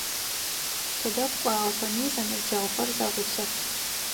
Тыдэ кӏуагъэхэми, зэныбджэгъухэр зэгъусэх.